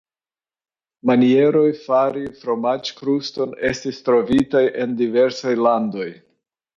Manieroj fari fromaĝkruston estis trovitaj en diversaj landoj.